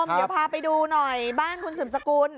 เดี๋ยวพาไปดูหน่อยบ้านคุณสืบสกุล